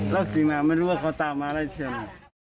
แล้วสินะไม่รู้ว่าเขาตามมาอะไรเชียว